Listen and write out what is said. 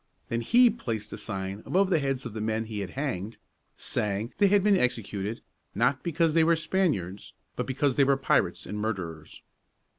Then he placed a sign above the heads of the men he had hanged, saying they had been executed, not because they were Spaniards, but because they were pirates and murderers.